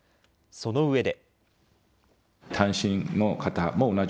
そのうえで。